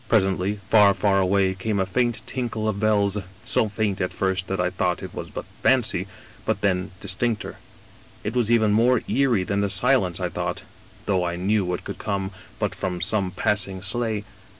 "Presently, far, far away, came a faint tinkle of bells; so faint, at first, that I thought it was but fancy, then dis 129 English Mystery Stories tincter. It was even more eerie than the silence, I thought, though I knew it could come but from some passing sleigh.